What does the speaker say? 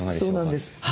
そうなんです。